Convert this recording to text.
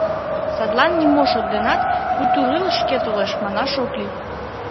Садлан нимо шот денат «культур илыш шке толеш» манаш ок лий.